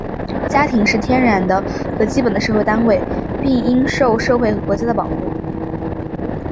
家庭是天然的和基本的社会单元,并应受社会和国家的保护。